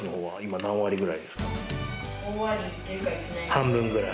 半分ぐらい。